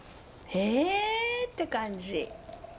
「え！」って感じ。